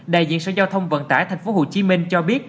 đại diện sở giao thông vận tải tp hcm cho biết